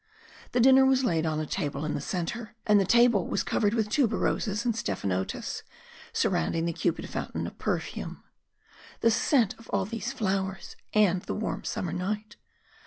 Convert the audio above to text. The dinner was laid on a table in the centre, and the table was covered with tuberoses and stephanotis, surrounding the cupid fountain of perfume. The scent of all these flowers! And the warm summer night!